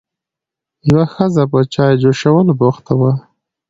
یوه ښځه په چای جوشولو بوخته وه.